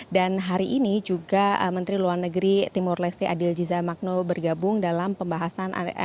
dan hari ini juga menteri luar negeri timur leste adil jiza magno bergabung dalam pembahasan